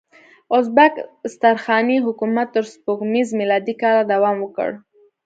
ازبک استرخاني حکومت تر سپوږمیز میلادي کاله دوام وکړ.